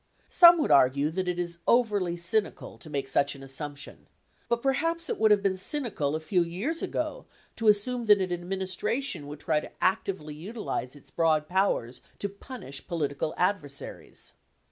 Some would argue that it is overly cynical to make such an assumption, but perhaps it would have been cynical a few years ago to assume that an administration would try to actively utilize its broad powers to punish political adversaries.